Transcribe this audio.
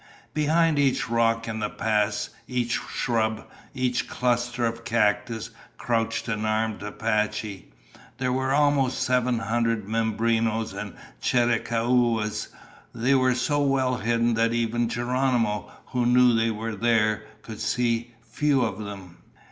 Behind each rock in the pass, each shrub, each cluster of cactus, crouched an armed Apache. There were almost seven hundred Mimbrenos and Chiricahuas. They were so well hidden that even Geronimo, who knew they were there, could see few of them.